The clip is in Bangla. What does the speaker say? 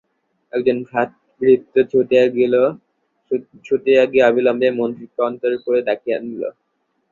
একজন ভৃত্য ছুটিয়া গিয়া অবিলম্বে মন্ত্রীকে অন্তঃপুরে ডাকিয়া আনিল।